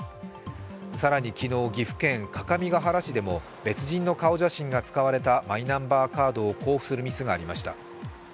更に昨日、岐阜県各務原市でも別人の顔写真が使われたマイナンバーカードを交付するミスがありました。